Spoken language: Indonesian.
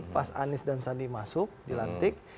pas anies dan sandi masuk di lantik